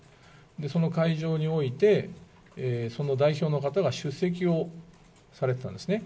その会場において、その代表の方が出席をされてたんですね。